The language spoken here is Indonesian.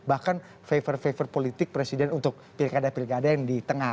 bahkan favor favor politik presiden untuk pilkada pilkada yang di tengah